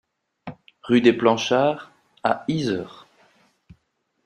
Rue des Planchards à Yzeure